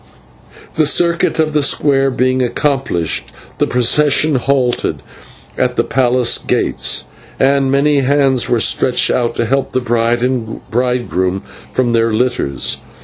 The circuit of the square being accomplished, the procession halted at the palace gates, and many hands were stretched out to help the bride and bridegroom from their litters.